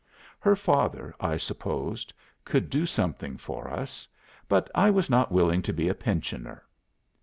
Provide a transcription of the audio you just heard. Her father, I supposed, could do something for us. But I was not willing to be a pensioner.